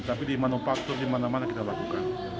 tapi di manufaktur di mana mana kita lakukan